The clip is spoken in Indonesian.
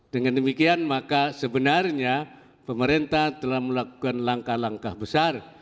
dengan demikian maka sebenarnya pemerintah telah melakukan langkah langkah besar